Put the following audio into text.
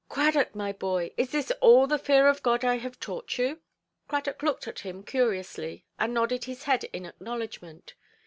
"Cradock, my boy, is this all the fear of God I have taught you"? Cradock looked at him curiously, and nodded his head in acknowledgment.